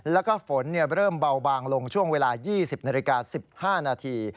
แล้วก็ฝนเริ่มเบาบางลงช่วงเวลา๒๐นาฬิกา๑๕นาที